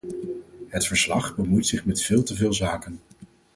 Het verslag bemoeit zich met veel te veel zaken.